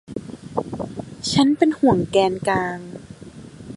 ฉันเป็นห่วงแกนกลาง